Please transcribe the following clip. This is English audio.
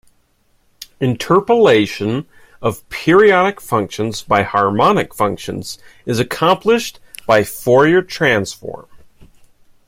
Interpolation of periodic functions by harmonic functions is accomplished by Fourier transform.